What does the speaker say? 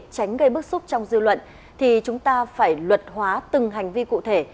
tránh gây bức xúc trong dư luận thì chúng ta phải luật hóa từng hành vi cụ thể